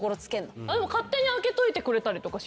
勝手に開けといてくれたりとかします。